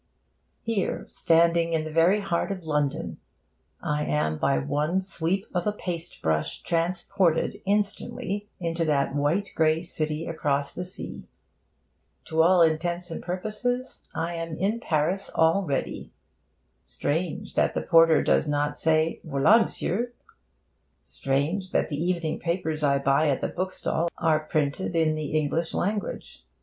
Here, standing in the very heart of London, I am by one sweep of a paste brush transported instantly into that white grey city across the sea. To all intents and purposes I am in Paris already. Strange, that the porter does not say, 'V'la', M'sieu'!' Strange, that the evening papers I buy at the bookstall are printed in the English language.